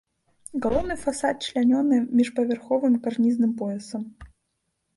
Галоўны фасад члянёны міжпаверхавым карнізным поясам.